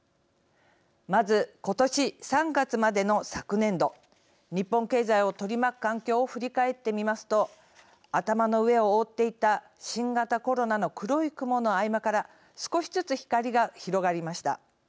まず、今年３月までの昨年度日本経済を取り巻く環境を振り返ってみますと頭の上を覆っていた新型コロナの黒い雲の合間から少しずつ光が広がりました。